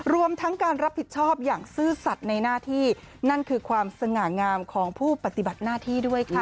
รวมทั้งการรับผิดชอบอย่างซื่อสัตว์ในหน้าที่นั่นคือความสง่างามของผู้ปฏิบัติหน้าที่ด้วยค่ะ